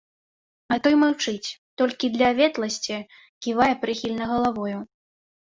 А той маўчыць, толькі для ветласці ківае прыхільна галавою.